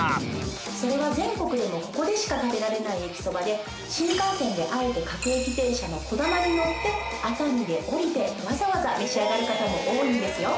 それは全国でもここでしか食べられない駅そばで新幹線であえて各駅停車のこだまに乗って熱海で降りてわざわざ召し上がる方も多いんですよ。